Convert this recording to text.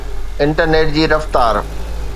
internet جي رفتار